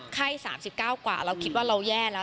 ไข้๓๙กว่าแล้วคิดว่าเราแย่แล้ว